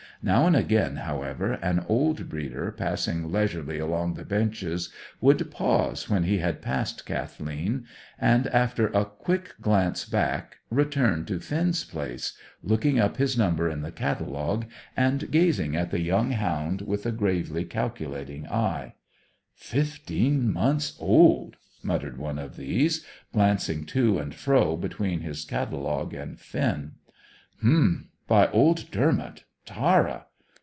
Now and again, however, an old breeder, passing leisurely along the benches, would pause when he had passed Kathleen, and, after a quick glance back, return to Finn's place, looking up his number in the catalogue, and gazing at the young hound with a gravely calculating eye. "Fifteen months old!" muttered one of these, glancing to and fro between his catalogue and Finn. "H'm! By old Dermot Tara.